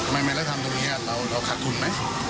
เมื่อเราทำตรงนี้เราขาดทุนมั้ย